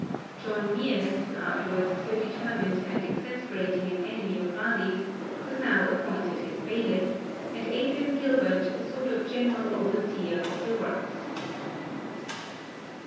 John Meeres, afterwards so determined and exasperating an enemy of Raleigh's, was now appointed his bailiff, and Adrian Gilbert a sort of general overseer of the works.